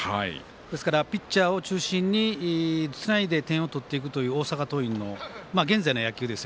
ですから、ピッチャーを中心につないで点を取っていくという大阪桐蔭の現在の野球。